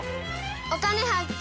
「お金発見」。